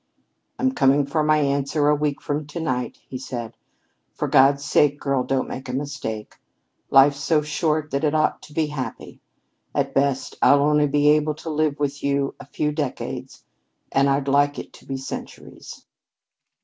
"I'm coming for my answer a week from to night," he said. "For God's sake, girl, don't make a mistake. Life's so short that it ought to be happy. At best I'll only be able to live with you a few decades, and I'd like it to be centuries."